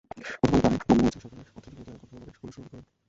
প্রথমত, তারা মনমোহন সিং সরকারের অর্থনৈতিক নীতি আরও কট্টরভাবে অনুসরণ করছে।